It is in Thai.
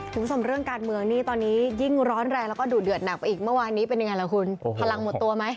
คุณผู้ชมเรื่องการเมืองนี่ตอนนี้ยิ่งร้อนแรงแล้วก็ดูดเดือดหนักไปอีกเมื่อวานนี้เป็นยังไงล่ะคุณพลังหมดตัวไหม